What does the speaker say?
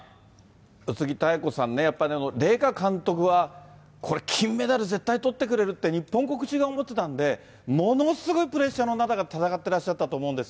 宇津木妙子さんね、やっぱり麗華監督は、これ金メダル絶対とってくれるって日本国中が思ってたんで、ものすごいプレッシャーの中で戦ってらっしゃたと思うんです